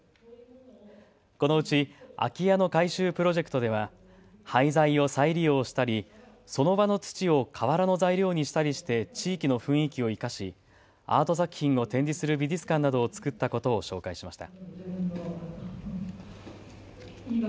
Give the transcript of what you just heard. このうち空き家の改修プロジェクトでは廃材を再利用したりその場の土を瓦の材料にしたりして地域の雰囲気を生かしアート作品を展示する美術館などを作ったことを紹介しました。